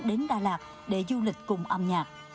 đến đà lạt để du lịch cùng âm nhạc